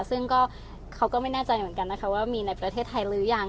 ซึ่งก็เขาก็ไม่แน่ใจเหมือนกันนะคะว่ามีในประเทศไทยหรือยัง